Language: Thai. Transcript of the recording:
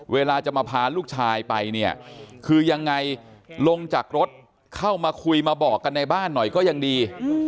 เวลาจะมาพาลูกชายไปเนี่ยคือยังไงลงจากรถเข้ามาคุยมาบอกกันในบ้านหน่อยก็ยังดี